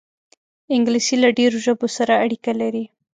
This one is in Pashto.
انګلیسي له ډېرو ژبو سره اړیکه لري